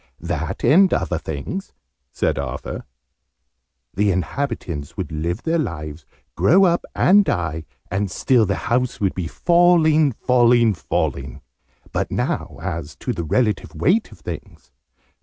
"That, and other things," said Arthur. "The inhabitants would live their lives, grow up and die, and still the house would be falling, falling, falling! But now as to the relative weight of things.